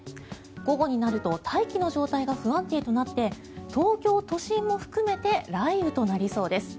午後になると大気の状態が不安定となって東京都心も含めて雷雨となりそうです。